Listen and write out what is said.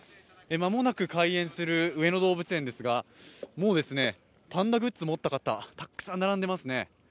間もなく開園する上野動物園ですがもうパンダグッズを持った方、たくさん並んでますね。